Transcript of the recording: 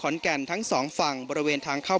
แก่นทั้งสองฝั่งบริเวณทางเข้า